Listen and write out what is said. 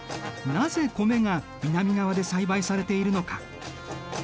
なぜ米が南側で栽培されているのか。